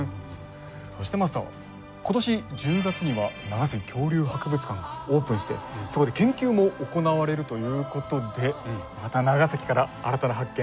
そしてマスター今年１０月には長崎恐竜博物館がオープンしてそこで研究も行われるということでまた長崎から新たな発見